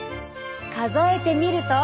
数えてみると。